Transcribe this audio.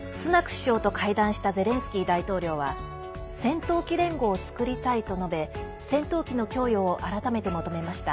首相と会談したゼレンスキー大統領は戦闘機連合を作りたいと述べ戦闘機の供与を改めて求めました。